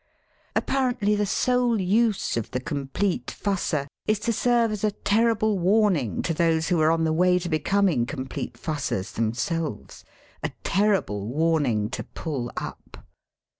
Apparently the sole use of the complete fusser is to serve as a terrible warning to those who are on the way to becoming complete fussers them selves — a terrible warning to pull up.